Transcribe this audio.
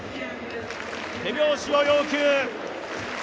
手拍子を要求。